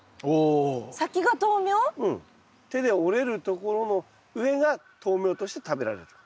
手で折れるところの上が豆苗として食べられると。